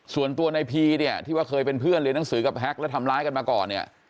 ส่วนตัวในพีเนี่ยที่ว่าเคยเป็นเพื่อนเรียนหนังสือกับแฮ็กแล้วทำร้ายกันมาก่อนเนี่ย